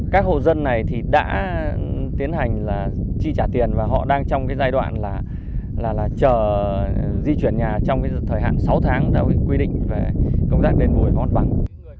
các hộ dân này thì đã tiến hành chi trả tiền và họ đang trong giai đoạn là chờ di chuyển nhà trong thời hạn sáu tháng đã quy định về công tác đền bùi món bằng